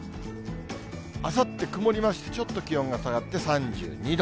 あさって曇りまして、ちょっと気温が下がって、３２度。